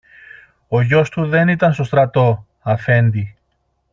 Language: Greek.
Ο γιος του δεν ήταν στο στρατό, Αφέντη.